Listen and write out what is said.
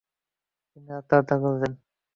তিনি আত্মরক্ষা করলেন।